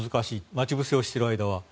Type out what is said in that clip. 待ち伏せをしている間は。